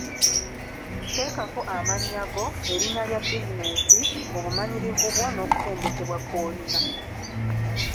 Teekako amannya go, erinnya lya bizinensi, obumanyirivu bwo n’okutendekebwa kw’olina.